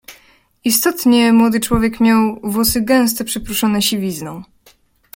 "Istotnie młody człowiek miał włosy gęsto przyprószone siwizną."